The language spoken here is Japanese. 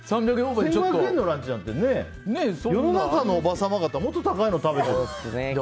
１５００円のランチなんて世の中のおばさま方もっと高いの食べてるよ。